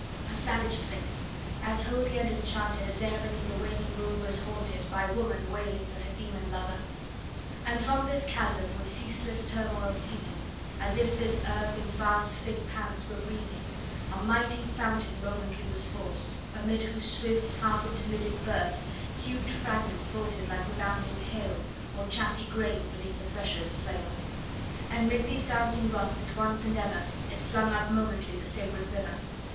A savage place! as holy and enchanted As e'er beneath a waning moon was haunted 15 By woman wailing for her demon lover! And from this chasm, with ceaseless turmoil seething, As if this earth in fast thick pants were breathing, A mighty fountain momently was forced; Amid whose swift half intermitted burst 20 Huge fragments vaulted like rebounding hail, Or chaffy grain beneath the thresher's flail: And 'mid these dancing rocks at once and ever It flung up momently the sacred river.